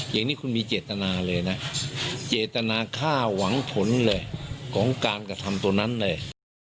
อย่างนี้คุณมีเจตนาเลยนะเจตนาฆ่าหวังผลเลยของการกระทำตัวนั้นเลย